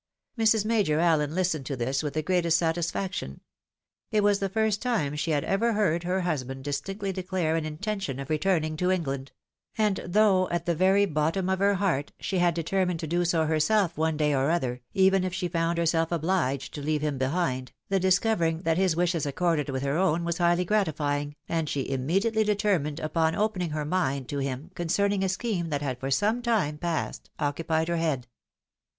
Mrs. Major Allen listened to this with the greatest satis faction ; it was the first time she had ever heard her husband distinctly declare an intention of returning to England ; and though, at the very bottom of her heart, she had determined to do so herself one day or other, even if she found herself obliged to leave him behind, the discovering that his wishes accorded with her own was highly gratifying, and she immediately de termined upon opening her mind to him concerning a scheme that had for some time past occupied her head.